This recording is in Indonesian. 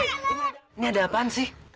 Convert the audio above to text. ini ada apaan sih